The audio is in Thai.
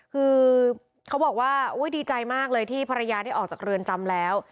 คือเขาบอกว่าดีใจมากเลยที่ภรรยาได้ออกจากเรือนจำแล้ว